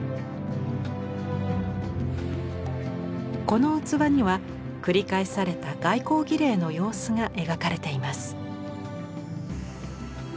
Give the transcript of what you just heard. この器には繰り返された外交儀礼の様子が描かれています。